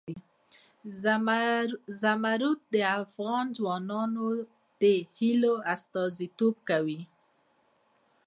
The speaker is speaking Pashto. زمرد د افغان ځوانانو د هیلو استازیتوب کوي.